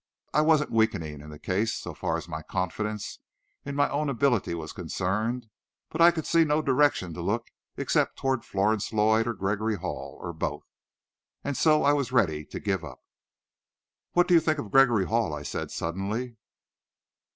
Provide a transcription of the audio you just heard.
I wasn't weakening in the case so far as my confidence in my own ability was concerned; but I could see no direction to look except toward Florence Lloyd or Gregory Hall, or both. And so I was ready to give up. "What do you think of Gregory Hall?" I said suddenly.